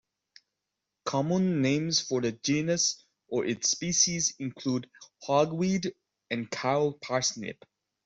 Common names for the genus or its species include hogweed and cow parsnip.